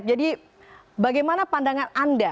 jadi bagaimana pandangan anda